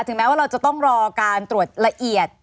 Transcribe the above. แม้ว่าเราจะต้องรอการตรวจละเอียด